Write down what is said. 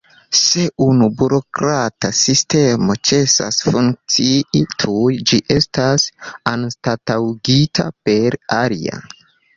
Se unu burokrata sistemo ĉesas funkcii, tuj ĝi estas anstataŭigita per alia.